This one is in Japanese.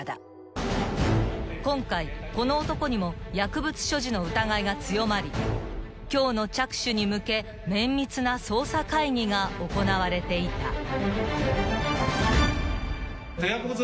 ［今回この男にも薬物所持の疑いが強まり今日の着手に向け綿密な捜査会議が行われていた］